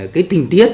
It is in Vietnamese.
cái tình tiết